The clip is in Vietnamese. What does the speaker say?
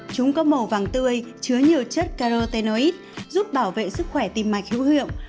chúng có màu vàng tươi chứa nhiều chất carotenoid giúp bảo vệ sức khỏe tim mạch hữu hiệu